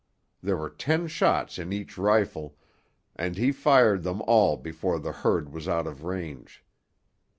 There were ten shots in each rifle, and he fired them all before the herd was out of range.